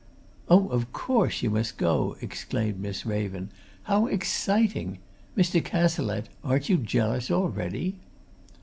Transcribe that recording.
"Oh, of course, you must go!" exclaimed Miss Raven. "How exciting! Mr. Cazalette! aren't you jealous already?"